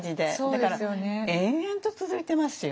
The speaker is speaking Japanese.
だから延々と続いてますよ。